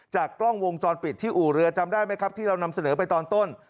กล้องวงจรปิดที่อู่เรือจำได้ไหมครับที่เรานำเสนอไปตอนต้น